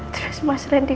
terus mas randy